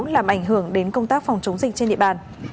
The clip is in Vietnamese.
làm ảnh hưởng đến công tác phòng chống dịch trên địa bàn